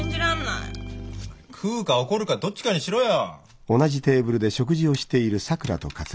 食うか怒るかどっちかにしろよ。